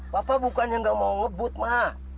papa bukannya gak mau ngebut ma